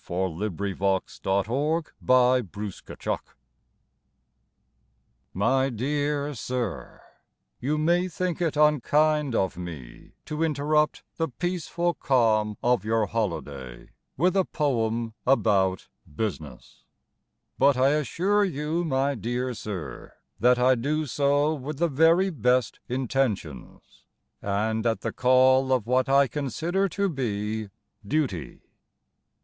TO EVERYBODY TO THE PRIVATE MEMBER My dear Sir, You may think it unkind of me To interrupt the peaceful calm of your holiday With a poem about business. But I assure you, my dear sir, That I do so with the very best intentions, And at the call of what I consider to be duty.